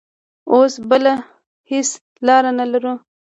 اوس بله هېڅ لار نه لرو.